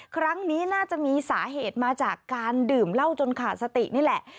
ครั้งนี้น่าจะมีสาเหตุมาจากการดื่มเหล้าจนขาดสตินี่แหละ